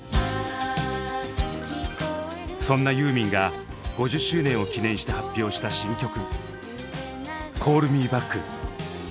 そんなユーミンが５０周年を記念して発表した新曲「Ｃａｌｌｍｅｂａｃｋ」。